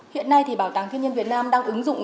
hiện nay thì bảo tàng thiên nhiên việt nam đang ứng dụng